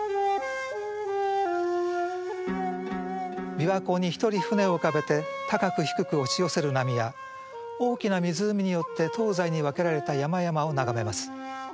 琵琶湖に独り舟を浮かべて高く低く押し寄せる波や大きな湖によって東西に分けられた山々を眺めます。